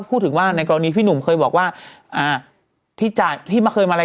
อ๋อคุณพลักษณ์โอ้โหแค่เลยเลย